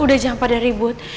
udah jam pada ribut